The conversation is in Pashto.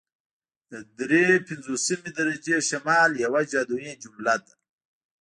د دري پنځوسمې درجې شمال یوه جادويي جمله ده